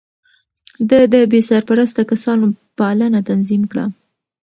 ده د بې سرپرسته کسانو پالنه تنظيم کړه.